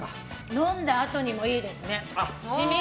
飲んだあとにいいですね